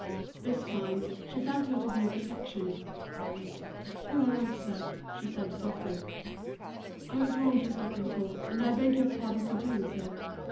This time, she felt her to be a protection. "You are right, sir," he said, softly, "I was wrong to stop and talk, and I beg your pardon for doing so.